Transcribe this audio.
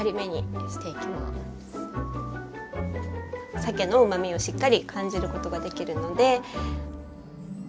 さけのうまみをしっかり感じることができるので。